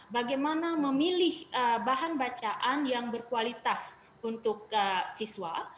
bagaimana memilih bahan bacaan yang berkualitas untuk siswa